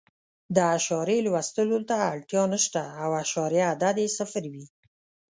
د اعشاریې لوستلو ته اړتیا نه شته او اعشاریه عدد یې صفر وي.